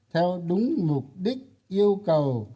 theo đúng mục đích yêu cầu